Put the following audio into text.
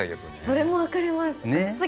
それも分かります。